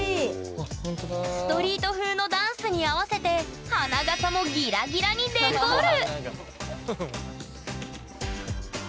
ストリート風のダンスに合わせて花笠もギラギラにデコる！